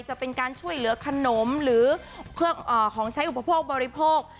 จะเป็นการช่วยเหลือขนมหรือของใช้อุปโภคบริโภค